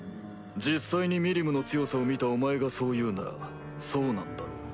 実際にミリムの強さを見たお前がそう言うならそうなんだろう。